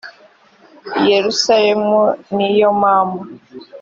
yerusalemu ni yo mama